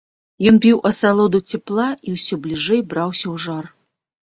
Ён піў асалоду цяпла і ўсё бліжэй браўся ў жар.